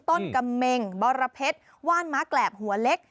ต้นกะเม็งบรพเพชรว่านม้ากรแกลบหัวเล็ก